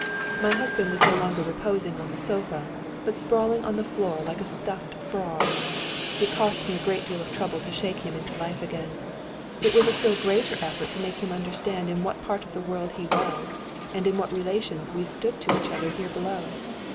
My husband was no longer reposing on the sofa, but sprawling on the floor like a stuffed frog. It cost me a great deal of trouble to shake him into life again. It was a still greater effort to make him understand in what part of the world he was, and in what relations we stood to each other here below.